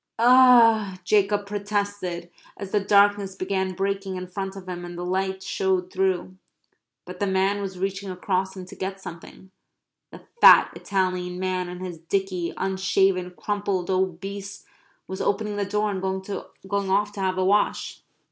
"O h," Jacob protested, as the darkness began breaking in front of him and the light showed through, but the man was reaching across him to get something the fat Italian man in his dicky, unshaven, crumpled, obese, was opening the door and going off to have a wash.